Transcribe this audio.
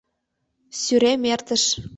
Сӱрем эртыш.